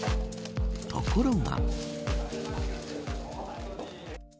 ところが。